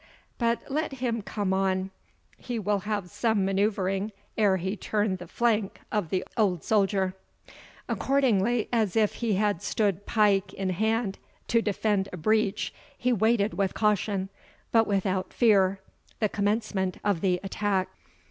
But let him come on he will have some manoeuvring ere he turn the flank of the old soldier." Accordingly, as if he had stood pike in hand to defend a breach, he waited with caution, but without fear, the commencement of the attack.